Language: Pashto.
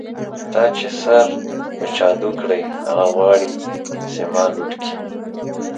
تا چی سر په چا دو کړۍ، هغه غواړی چی ما لوټ کړی